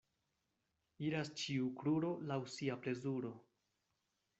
Iras ĉiu kruro laŭ sia plezuro.